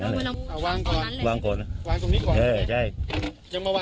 เราเอารถมาวางตรงนี้แล้วละครับ